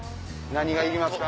何がいりますか？